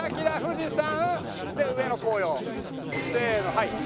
せーのはい。